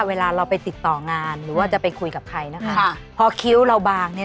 บางคนผู้ชายที่ใครเห็น